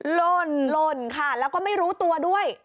หล่นค่ะแล้วก็ไม่รู้ตัวด้วย